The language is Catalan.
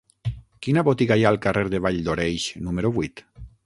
Quina botiga hi ha al carrer de Valldoreix número vuit?